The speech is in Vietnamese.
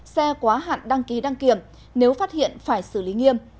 xe quá hạn đăng kiểm nếu phát hiện phải xử lý nghiêm